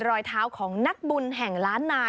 รอยเท้าของนักบุญแห่งล้านนา